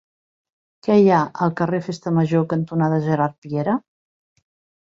Què hi ha al carrer Festa Major cantonada Gerard Piera?